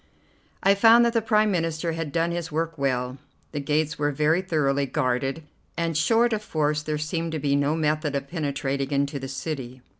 I found that the Prime Minister had done his work well. The gates were very thoroughly guarded, and short of force there seemed to be no method of penetrating into the city.